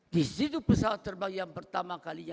disitu pesawat terbang yang pertama kalinya